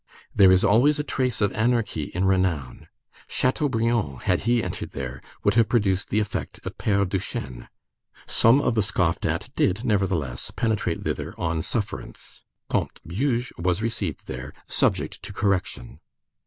There is always a trace of anarchy in renown. Chateaubriand, had he entered there, would have produced the effect of Père Duchêne. Some of the scoffed at did, nevertheless, penetrate thither on sufferance. Comte Beug was received there, subject to correction.